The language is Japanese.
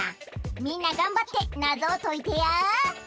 みんながんばってナゾをといてや。